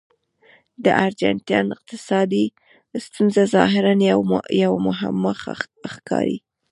د ارجنټاین اقتصادي ستونزه ظاهراً یوه معما ښکاري.